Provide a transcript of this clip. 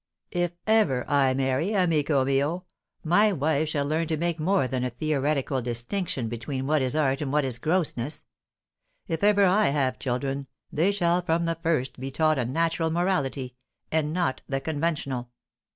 If ever I marry, amico mio, my wife shall learn to make more than a theoretical distinction between what is art and what is grossness. If ever I have children, they shall from the first he taught a natural morality, and not the conventional.